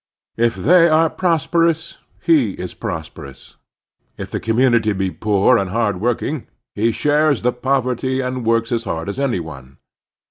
If they are prosperous, he is prosperotis. If the community be poor and hard working, he shares the poverty and works as hard as any one.